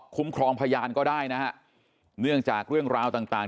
ครองพยานก็ได้นะฮะเนื่องจากเรื่องราวต่างต่าง